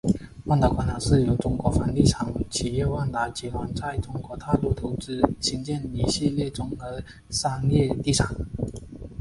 万达广场是由中国房地产企业万达集团在中国大陆投资兴建的一系列综合商业地产。